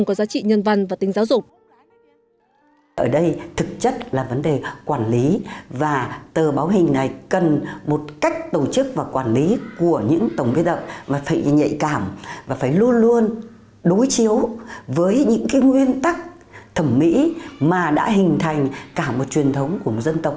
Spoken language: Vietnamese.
game show không có giá trị nhân văn và tính giáo dục